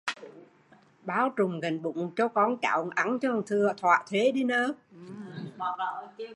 Bao trụm gánh bún cho con cháu ăn cho thỏa thuê